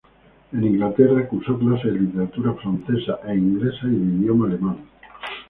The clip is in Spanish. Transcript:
En Inglaterra cursó clases de literatura francesa e inglesa y de idioma alemán.